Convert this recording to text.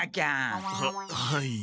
ははい。